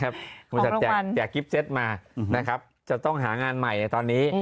บริษัทแจกกิฟเซ็ตมาจะต้องหางานใหม่ในตอนนี้